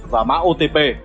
và mã otp